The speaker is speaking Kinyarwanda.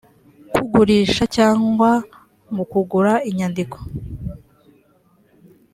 kugurisha cyangwa mu kugura inyandiko